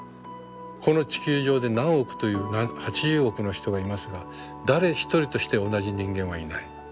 この地球上で何億という８０億の人がいますが誰一人として同じ人間はいない。